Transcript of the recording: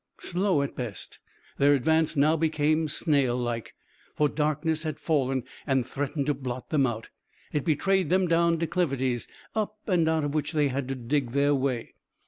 Slow at best, their advance now became snail like, for darkness had fallen, and threatened to blot them out. It betrayed them down declivities, up and out of which they had to dig their way.